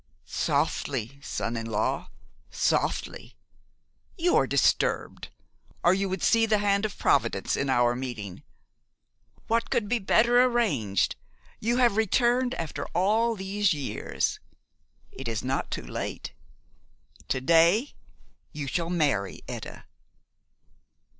"Softly, son in law, softly! You are disturbed, or you would see the hand of Providence in our meeting. What could be better arranged? You have returned after all these years. It is not too late. To day you shall marry Etta!"